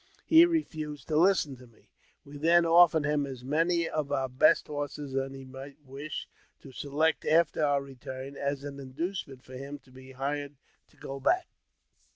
He refused to listen to me. We then offeree him as many of our best horses as he might w^ish to select after our return, as an inducement for him to be hired to go back.